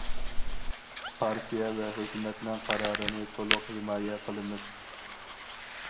پارتىيە ۋە ھۆكۈمەتنىڭ قارارىنى تولۇق ھىمايە قىلىمىز!